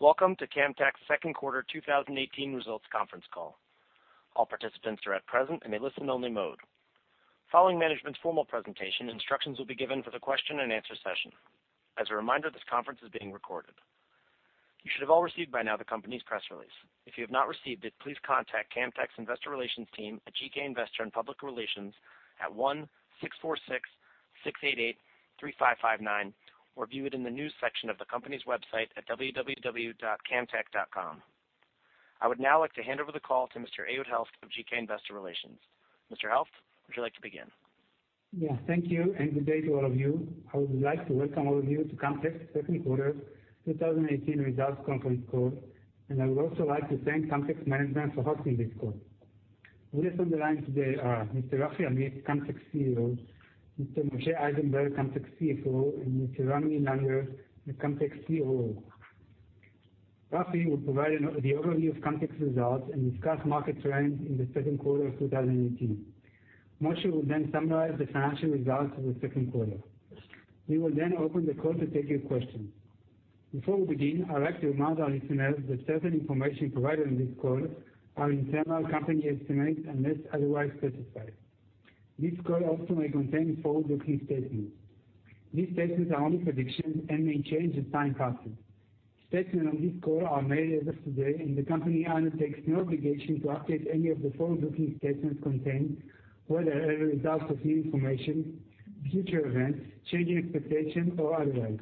Welcome to Camtek's second quarter 2018 results conference call. All participants are at present in a listen-only mode. Following management's formal presentation, instructions will be given for the question-and-answer session. As a reminder, this conference is being recorded. You should have all received by now the company's press release. If you have not received it, please contact Camtek's investor relations team at GK Investor & Public Relations at 1-646-688-3559 or view it in the news section of the company's website at www.camtek.com. I would now like to hand over the call to Mr. Ehud Helft of GK Investor & Public Relations. Mr. Helft, would you like to begin? Yeah, thank you. Good day to all of you. I would like to welcome all of you to Camtek's second quarter 2018 results conference call, and I would also like to thank Camtek's management for hosting this call. With us on the line today are Mr. Rafi Amit, Camtek's CEO, Mr. Moshe Eisenberg, Camtek's CFO, and Mr. Ramy Langer, the Camtek's COO. Rafi will provide the overview of Camtek's results and discuss market trends in the second quarter of 2018. Moshe will then summarize the financial results of the second quarter. We will then open the call to take your questions. Before we begin, I'd like to remind our listeners that certain information provided on this call are internal company estimates, unless otherwise specified. This call also may contain forward-looking statements. These statements are only predictions and may change as time passes. Statements on this call are made as of today, and the company undertakes no obligation to update any of the forward-looking statements contained, whether as a result of new information, future events, changing expectations, or otherwise.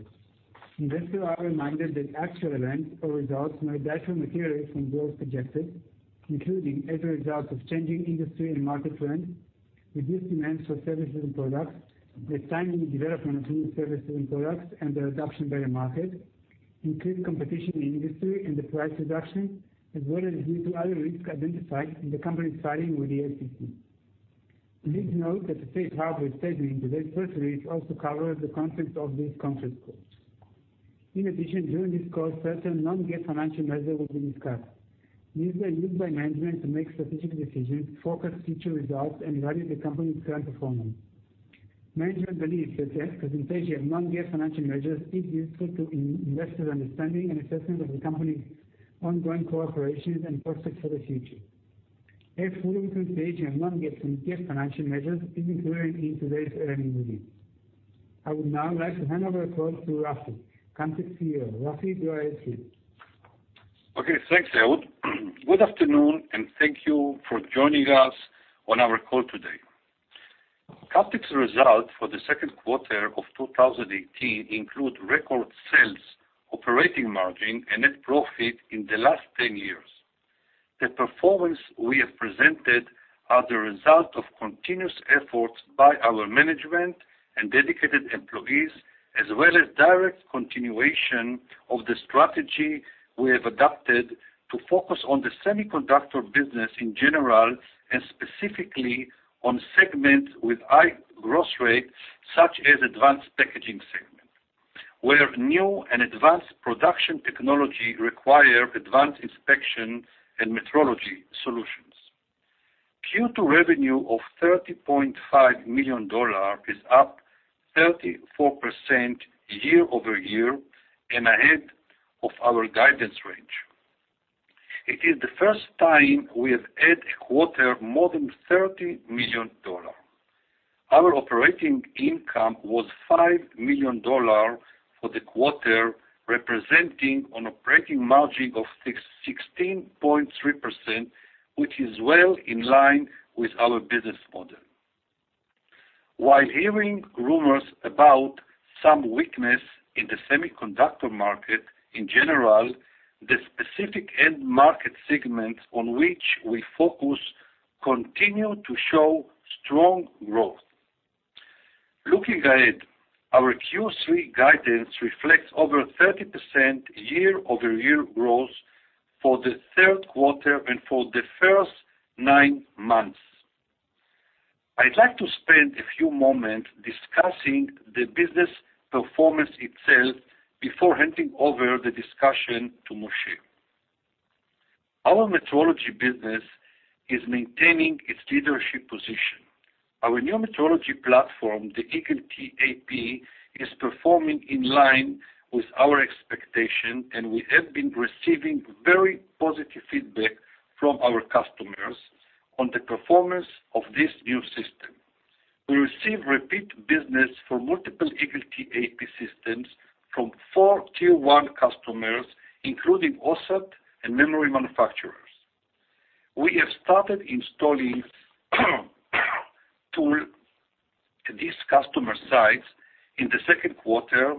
Investors are reminded that actual events or results may differ materially from those projected, including as a result of changing industry and market trends, reduced demands for services and products, the timing and development of new services and products, and their adoption by the market, increased competition in industry and the price reduction, as well as due to other risks identified in the company's filing with the SEC. Please note that the safe harbor statement in today's press release also covers the content of this conference call. In addition, during this call, certain non-GAAP financial measures will be discussed. These are used by management to make strategic decisions, forecast future results, and evaluate the company's current performance. Management believes that the presentation of non-GAAP financial measures is useful to investors' understanding and assessment of the company's ongoing operations and prospects for the future. A full reconciliation of non-GAAP financial measures is included in today's earnings release. I would now like to hand over the call to Rafi, Camtek's CEO. Rafi, go ahead, please. Okay, thanks, Ehud. Good afternoon. Thank you for joining us on our call today. Camtek's results for the second quarter of 2018 include record sales, operating margin, and net profit in the last 10 years. The performance we have presented are the result of continuous efforts by our management and dedicated employees, as well as direct continuation of the strategy we have adopted to focus on the semiconductor business in general, and specifically on segments with high gross rate, such as advanced packaging segment, where new and advanced production technology require advanced inspection and metrology solutions. Q2 revenue of $30.5 million is up 34% year-over-year and ahead of our guidance range. It is the first time we have had a quarter more than $30 million. Our operating income was $5 million for the quarter, representing an operating margin of 16.3%, which is well in line with our business model. While hearing rumors about some weakness in the semiconductor market in general, the specific end market segments on which we focus continue to show strong growth. Looking ahead, our Q3 guidance reflects over 30% year-over-year growth for the third quarter and for the first 9 months. I'd like to spend a few moments discussing the business performance itself before handing over the discussion to Moshe. Our metrology business is maintaining its leadership position. Our new metrology platform, the Eagle-T AP, is performing in line with our expectations. We have been receiving very positive feedback from our customers on the performance of this new system. We receive repeat business for multiple Eagle-T AP systems from 4 tier 1 customers, including OSAT and memory manufacturers. We have started installing tools at these customer sites in the second quarter.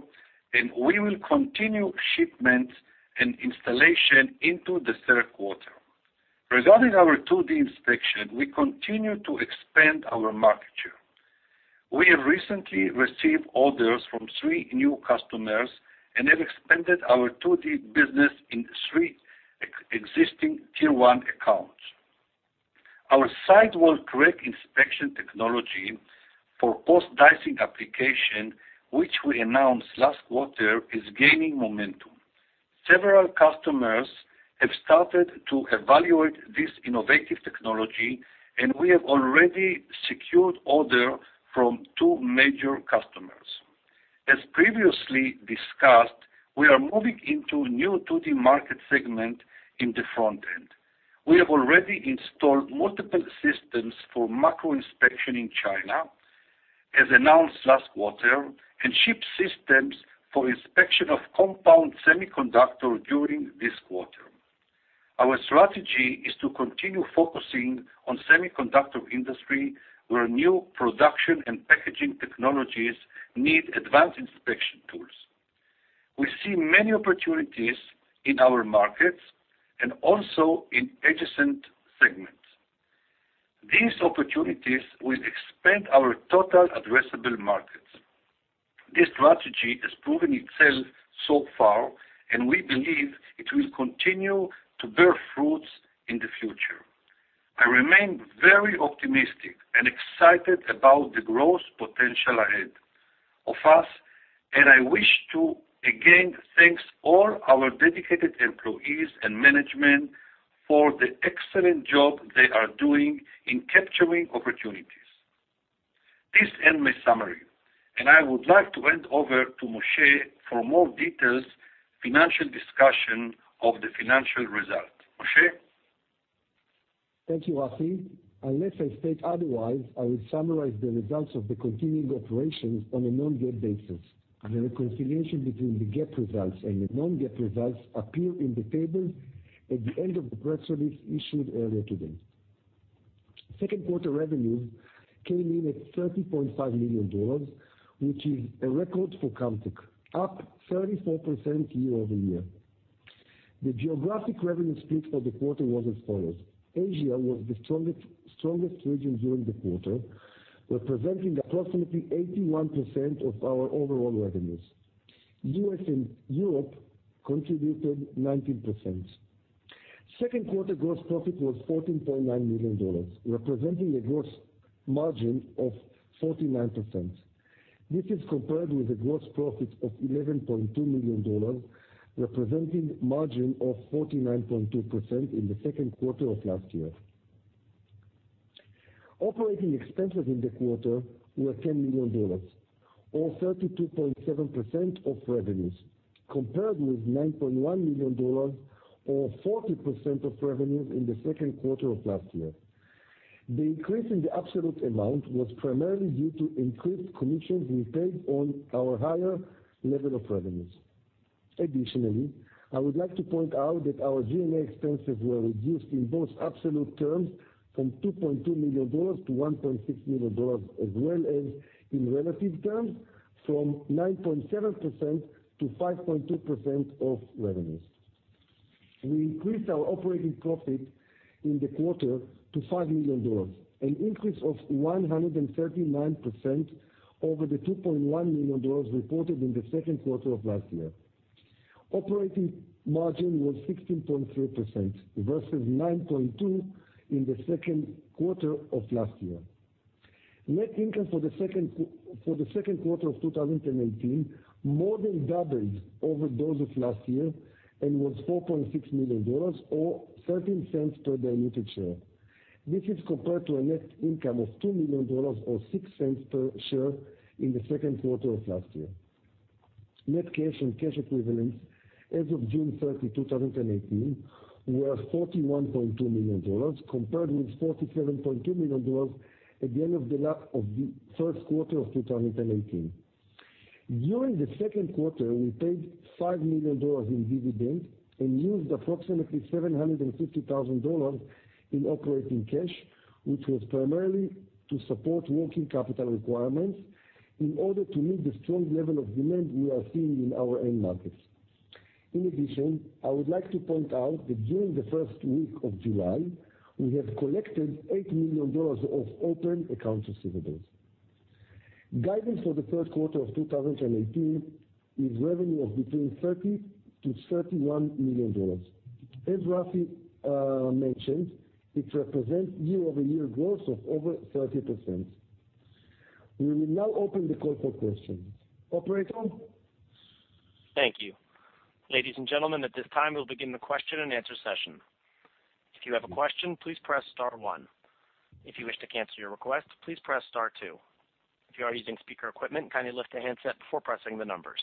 We will continue shipments and installation into the third quarter. Regarding our 2D inspection, we continue to expand our market share. We have recently received orders from 3 new customers and have expanded our 2D business in 3 existing tier 1 accounts. Our sidewall crack inspection technology for post-dicing application, which we announced last quarter, is gaining momentum. Several customers have started to evaluate this innovative technology. We have already secured orders from 2 major customers. As previously discussed, we are moving into new 2D market segment in the front-end. We have already installed multiple systems for macro inspection in China, as announced last quarter. We shipped systems for inspection of compound semiconductor during this quarter. Our strategy is to continue focusing on semiconductor industry, where new production and packaging technologies need advanced inspection tools. We see many opportunities in our markets and also in adjacent segments. These opportunities will expand our total addressable markets. This strategy has proven itself so far. We believe it will continue to bear fruits in the future. I remain very optimistic and excited about the growth potential ahead of us. I wish to again thank all our dedicated employees and management for the excellent job they are doing in capturing opportunities. This ends my summary. I would like to hand over to Moshe for more details, financial discussion of the financial result. Moshe? Thank you, Rafi. Unless I state otherwise, I will summarize the results of the continuing operations on a non-GAAP basis. The reconciliation between the GAAP results and the non-GAAP results appear in the table at the end of the press release issued earlier today. Second quarter revenues came in at $30.5 million, which is a record for Camtek, up 34% year-over-year. The geographic revenue split for the quarter was as follows. Asia was the strongest region during the quarter, representing approximately 81% of our overall revenues. U.S. and Europe contributed 19%. Second quarter gross profit was $14.9 million, representing a gross margin of 49%. This is compared with a gross profit of $11.2 million, representing margin of 49.2% in the Second quarter of last year. Operating expenses in the quarter were $10 million, or 32.7% of revenues, compared with $9.1 million or 40% of revenues in the Second quarter of last year. The increase in the absolute amount was primarily due to increased commissions we paid on our higher level of revenues. Additionally, I would like to point out that our G&A expenses were reduced in both absolute terms from $2.2 million to $1.6 million, as well as in relative terms from 9.7% to 5.2% of revenues. We increased our operating profit in the quarter to $5 million, an increase of 139% over the $2.1 million reported in the Second quarter of last year. Operating margin was 16.3% versus 9.2% in the Second quarter of last year. Net income for the Second quarter of 2018 more than doubled over those of last year and was $4.6 million or $0.13 per diluted share. This is compared to a net income of $2 million or $0.06 per share in the Second quarter of last year. Net cash and cash equivalents as of June 30, 2018, were $41.2 million, compared with $47.2 million at the end of the First quarter of 2018. During the Second quarter, we paid $5 million in dividends and used approximately $750,000 in operating cash, which was primarily to support working capital requirements in order to meet the strong level of demand we are seeing in our end markets. In addition, I would like to point out that during the first week of July, we have collected $8 million of open accounts receivables. Guidance for the Third quarter of 2018 is revenue of between $30 million-$31 million. As Rafi mentioned, it represents year-over-year growth of over 30%. We will now open the call for questions. Operator? Thank you. Ladies and gentlemen, at this time, we'll begin the question and answer session. If you have a question, please press star one. If you wish to cancel your request, please press star two. If you are using speaker equipment, kindly lift the handset before pressing the numbers.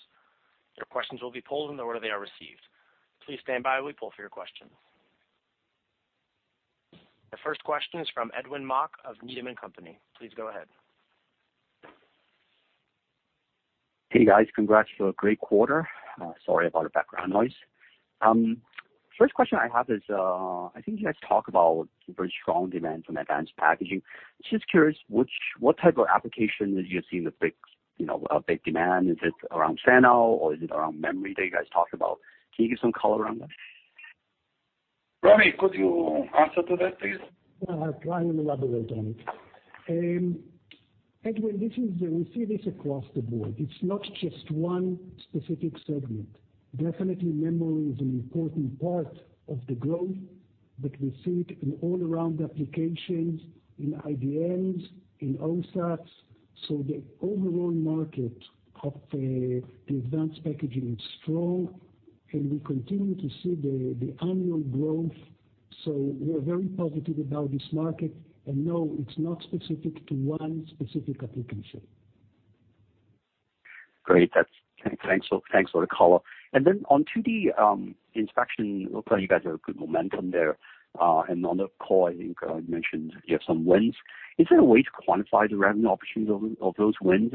Your questions will be pulled in the order they are received. Please stand by while we pull for your questions. The first question is from Edwin Mok of Needham & Company. Please go ahead. Hey, guys. Congrats for a great quarter. Sorry about the background noise. First question I have is, I think you guys talk about very strong demand from advanced packaging. Just curious, what type of application are you seeing the big demand? Is it around fan-out or is it around memory that you guys talked about? Can you give some color around that? Rafi, could you answer to that, please? Yeah, I'll try and elaborate on it. Edwin, we see this across the board. It's not just one specific segment. Definitely, memory is an important part of the growth. We see it in all around applications, in IDMs, in OSATs. The overall market of the advanced packaging is strong, and we continue to see the annual growth. We are very positive about this market, and no, it's not specific to one specific application. Great. Thanks for the call. Then on 2D inspection, looks like you guys have good momentum there. On the call, I think you mentioned you have some wins. Is there a way to quantify the revenue opportunities of those wins?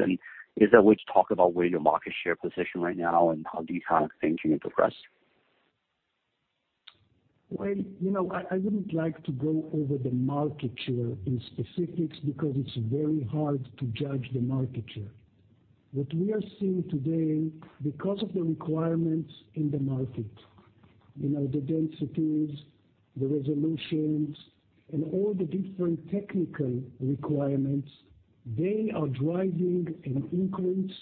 Is there a way to talk about where your market share position right now and how these kind of things can progress? Well, I wouldn't like to go over the market share in specifics because it's very hard to judge the market share. What we are seeing today, because of the requirements in the market, the densities, the resolutions, and all the different technical requirements, they are driving an increase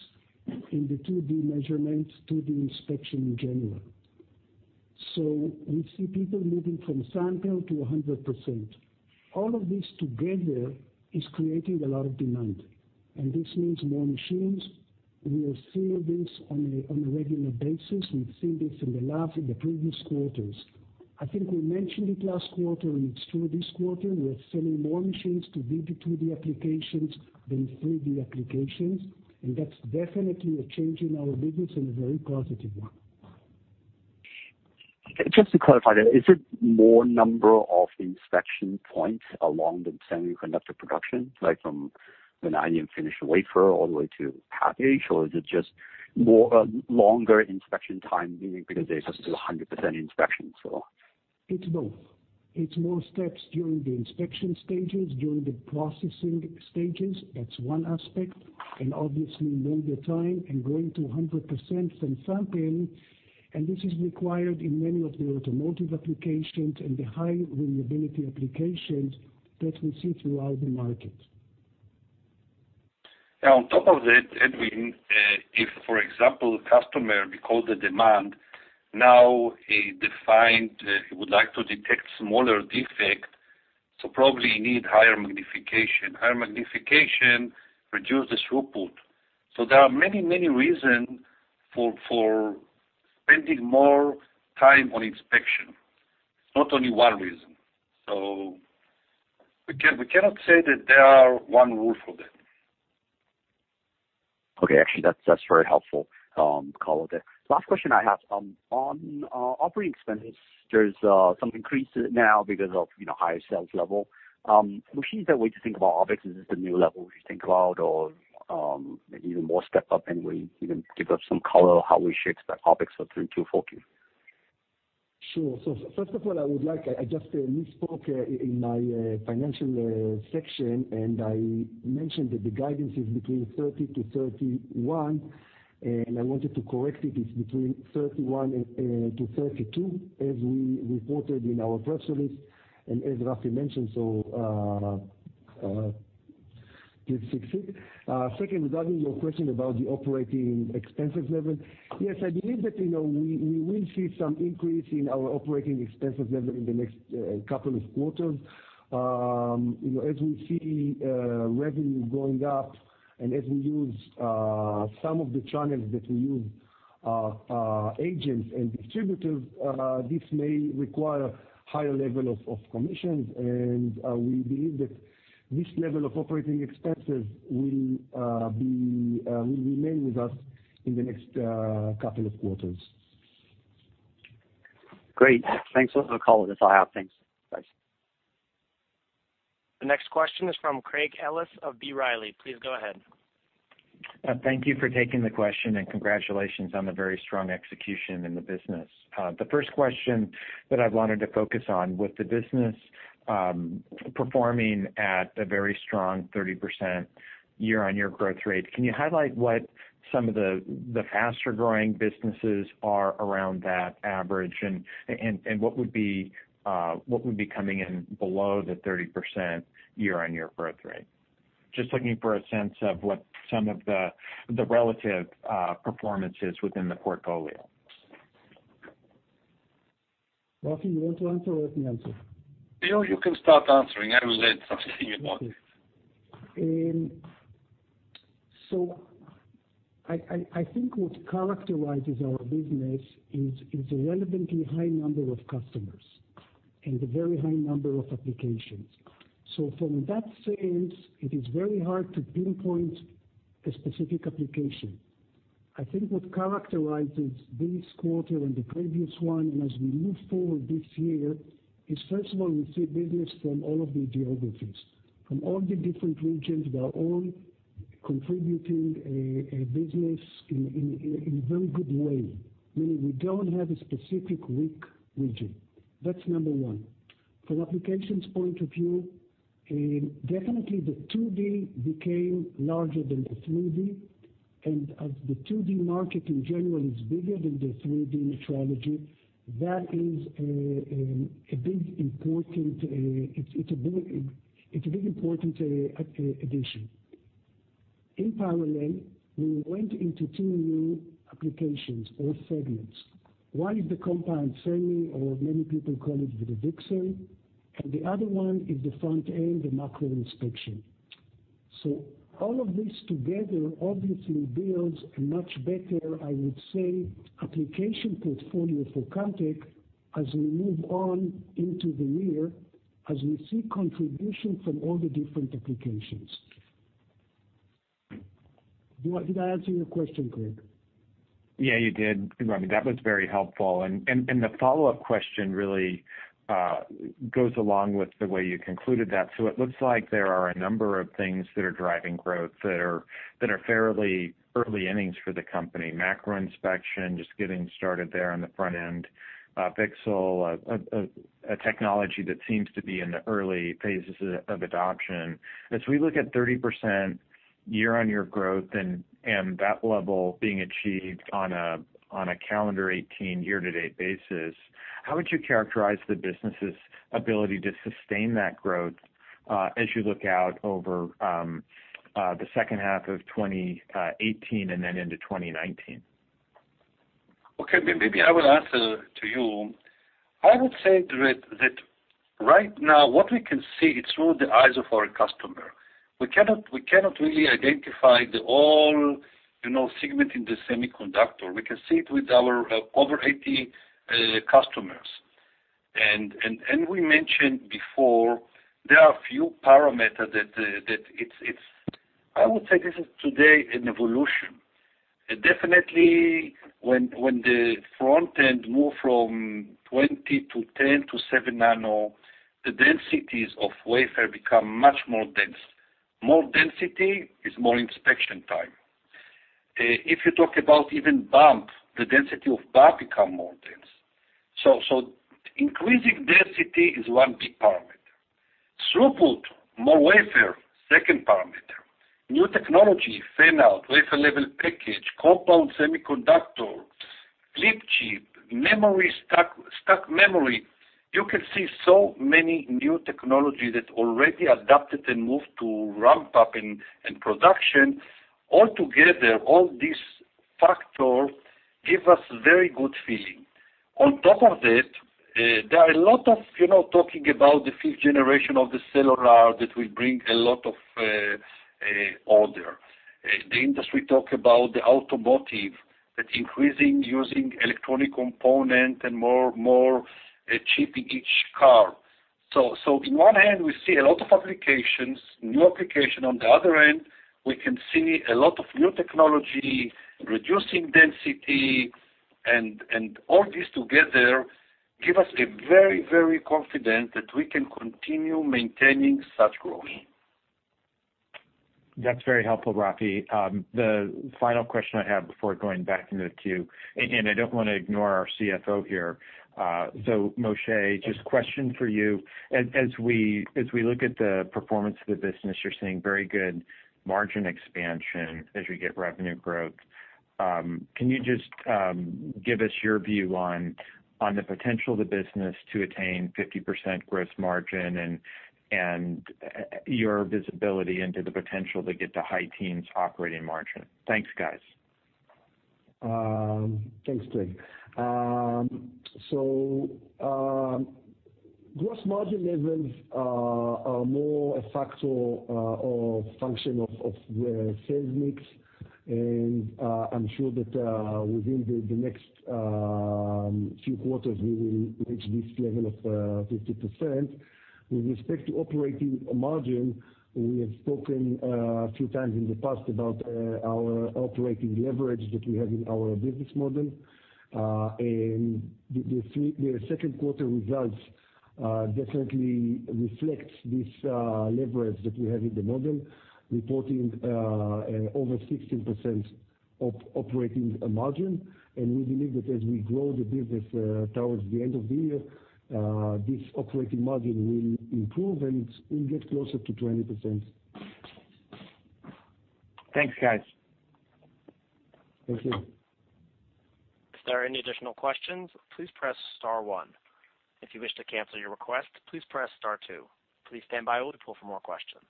in the 2D measurement, 2D inspection in general. We see people moving from sample to 100%. All of this together is creating a lot of demand. This means more machines. We are seeing this on a regular basis. We've seen this in the lab in the previous quarters. I think we mentioned it last quarter, and it's true this quarter. We are selling more machines to 2D applications than 3D applications. That's definitely a change in our business and a very positive one. Just to clarify that, is it more number of inspection points along the semiconductor production, like from an unfinished wafer all the way to package, or is it just more longer inspection time, meaning because there's just to 100% inspection? It's both. It's more steps during the inspection stages, during the processing stages. That's one aspect. Obviously, longer time and going to 100% from sampling. This is required in many of the automotive applications and the high reliability applications that we see throughout the market. Now, on top of that, Edwin, if, for example, customer, because the demand, now he defined he would like to detect smaller defect, so probably need higher magnification. Higher magnification reduce this throughput. There are many reason for spending more time on inspection. Not only one reason. We cannot say that there are one rule for that. Okay. Actually, that's very helpful call there. Last question I have. On operating expenses, there's some increase now because of higher sales level. Moshe, is there a way to think about OpEx? Is this the new level we should think about or maybe even more step up? Moshe, you can give us some color how we should expect OpEx for 3Q, 4Q? Sure. First of all, I just misspoke in my financial section, I mentioned that the guidance is between 30-31, and I wanted to correct it. It's between 31-32, as we reported in our press release and as Rafi mentioned. Please fix it. Second, regarding your question about the operating expenses level. Yes, I believe that we will see some increase in our operating expenses level in the next couple of quarters. As we see revenue going up and as we use some of the channels that we use, agents and distributors, this may require higher level of commissions. We believe that this level of operating expenses will remain with us in the next couple of quarters. Great. Thanks. That's all the calls that I have. Thanks. Bye. The next question is from Craig Ellis of B. Riley. Please go ahead. Thank you for taking the question. Congratulations on the very strong execution in the business. The first question that I wanted to focus on, with the business performing at a very strong 30% year-over-year growth rate, can you highlight what some of the faster-growing businesses are around that average and what would be coming in below the 30% year-over-year growth rate? Just looking for a sense of what some of the relative performance is within the portfolio. Rafi, you want to answer or I answer? You can start answering. I will add something if you want. I think what characterizes our business is a relatively high number of customers and a very high number of applications. From that sense, it is very hard to pinpoint a specific application. I think what characterizes this quarter and the previous one, as we move forward this year, is first of all, we see business from all of the geographies, from all the different regions that are all contributing a business in a very good way, meaning we don't have a specific weak region. That's number 1. From applications point of view, definitely the 2D became larger than the 3D. As the 2D market in general is bigger than the 3D metrology, it's a big important addition. In parallel, we went into two new applications or segments. One is the compound semi, or many people call it the VCSEL, and the other one is the front-end, the macro inspection. All of this together obviously builds a much better, I would say, application portfolio for Camtek as we move on into the year, as we see contribution from all the different applications. Did I answer your question, Craig? Yeah, you did, Ramy. That was very helpful. The follow-up question really goes along with the way you concluded that. It looks like there are a number of things that are driving growth that are fairly early innings for the company. Macro inspection, just getting started there on the front-end. VCSEL, a technology that seems to be in the early phases of adoption. As we look at 30% year-on-year growth and that level being achieved on a calendar 2018 year-to-date basis, how would you characterize the business's ability to sustain that growth, as you look out over the second half of 2018 and then into 2019? Okay. Maybe I will answer to you. I would say, Craig, that right now what we can see is through the eyes of our customer. We cannot really identify the whole segment in the semiconductor. We can see it with our over 80 customers. We mentioned before, there are few parameters that I would say this is today an evolution. Definitely, when the front-end moved from 20 to 10 to 7 nano, the densities of wafer become much more dense. More density is more inspection time. If you talk about even bump, the density of bump become more dense. Increasing density is one big parameter. Throughput, more wafer, second parameter. New technology, Fan-out, wafer-level package, compound semiconductor, flip-chip, stacked memory. You can see so many new technology that already adapted and moved to ramp-up and production. All together, all these factors give us very good feeling. On top of that, there are a lot of talking about the fifth generation of the cellular that will bring a lot of order. The industry talk about the automotive that's increasing using electronic component and more chip in each car. On one hand, we see a lot of applications, new application. On the other end, we can see a lot of new technology, reducing density and all these together give us a very confident that we can continue maintaining such growth. That's very helpful, Rafi. The final question I have before going back into the queue. I don't want to ignore our CFO here. Moshe, just question for you. As we look at the performance of the business, you're seeing very good margin expansion as you get revenue growth. Can you just give us your view on the potential of the business to attain 50% gross margin and your visibility into the potential to get to high teens operating margin? Thanks, guys. Thanks, Craig. Gross margin levels are more a factor or function of sales mix. I'm sure that within the next few quarters, we will reach this level of 50%. With respect to operating margin, we have spoken a few times in the past about our operating leverage that we have in our business model. The second quarter results definitely reflects this leverage that we have in the model, reporting over 16% operating margin. We believe that as we grow the business towards the end of the year, this operating margin will improve and will get closer to 20%. Thanks, guys. Thank you. If there are any additional questions, please press star one. If you wish to cancel your request, please press star two. Please stand by while we pull for more questions.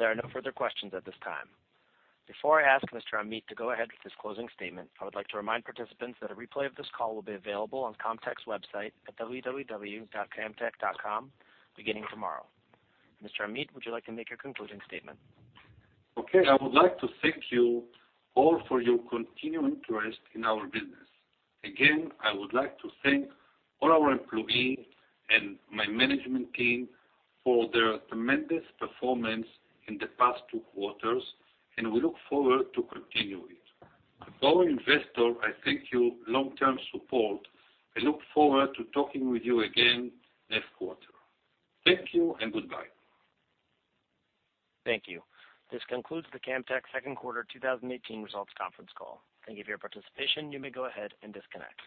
There are no further questions at this time. Before I ask Mr. Amit to go ahead with his closing statement, I would like to remind participants that a replay of this call will be available on Camtek's website at www.camtek.com beginning tomorrow. Mr. Amit, would you like to make your concluding statement? Okay. I would like to thank you all for your continued interest in our business. Again, I would like to thank all our employees and my management team for their tremendous performance in the past two quarters. We look forward to continue it. To our investor, I thank you long-term support and look forward to talking with you again next quarter. Thank you and goodbye. Thank you. This concludes the Camtek second quarter 2018 results conference call. Thank you for your participation. You may go ahead and disconnect.